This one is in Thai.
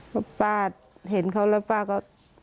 เพราะป้าเห็นเขาแล้วป้าก็